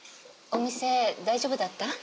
お店大丈夫だった？